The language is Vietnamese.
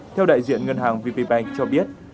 theo đại diện ngân hàng vp bank cho biết